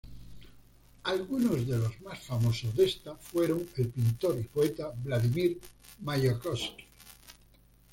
Algunos de los más famosos de esta fueron el pintor y poeta Vladímir Mayakovski.